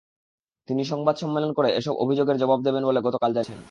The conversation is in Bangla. তিনি সংবাদ সম্মেলন করে এসব অভিযোগের জবাব দেবেন বলে গতকাল জানিয়েছেন।